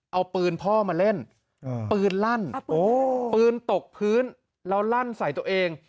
เอาปืนพ่อมาเล่นปืนลั่นปืนตกพื้นแล้วลั่นใส่ตัวเอง